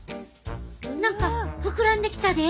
何か膨らんできたで。